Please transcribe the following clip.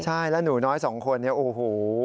ใช่แล้วหนูน้อยสองคนเนี่ยโอ้โห